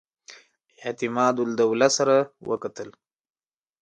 اعتمادالدوله سره وکتل.